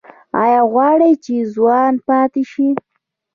ایا غواړئ چې ځوان پاتې شئ؟